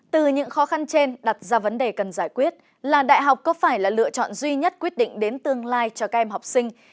từ những khó khăn trên đặt ra vấn đề cần giải quyết là đại học có phải là lựa chọn duy nhất quyết định đến tương lai cho các em học sinh